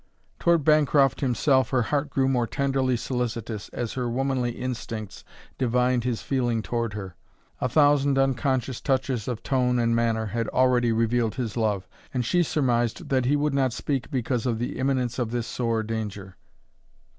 Toward Bancroft himself her heart grew more tenderly solicitous as her womanly instincts divined his feeling toward her. A thousand unconscious touches of tone and manner had already revealed his love, and she surmised that he would not speak because of the imminence of this sore danger.